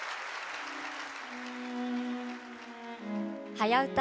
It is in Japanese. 「はやウタ」